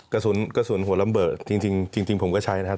กระสุนหัวลำเบิดจริงผมก็ใช้นะครับ